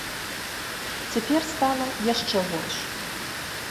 Цяпер стала яшчэ горш.